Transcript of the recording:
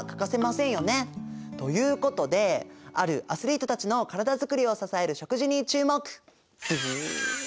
ということであるアスリートたちのからだづくりを支える食事に注目。